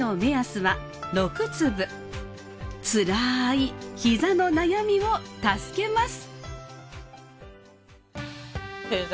つらいひざの悩みを助けます。